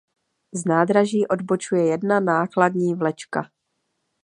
Z nádraží odbočuje jedna nákladní vlečka.